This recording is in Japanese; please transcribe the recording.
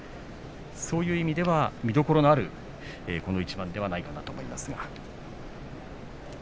そういう意味では見どころのある一番ではないかと思います。